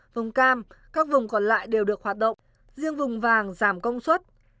vùng cam các vùng còn lại đều được hoạt động riêng vùng vàng giảm công suất